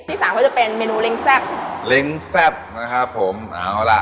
ที่สามก็จะเป็นเมนูเล้งแซ่บเล้งแซ่บนะครับผมเอาล่ะ